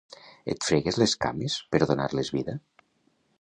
Et fregues les cames per donar-les vida?